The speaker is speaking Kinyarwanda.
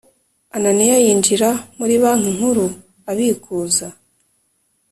Ananiya yinjira muri banki nkuru abikuza